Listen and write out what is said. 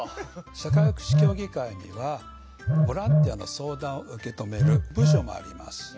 社会福祉協議会にはボランティアの相談を受け止める部署もあります。